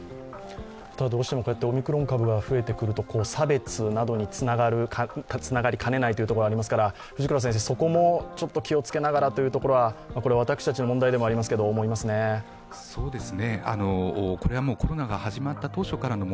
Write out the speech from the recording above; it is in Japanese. どうしてもオミクロン株が増えてくると差別などにつながりかねないところがありますからそこもちょっと気をつけながらというところは、私たちの問題でもありますが、思いますね。